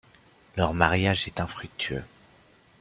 Leur mariage est infructueux.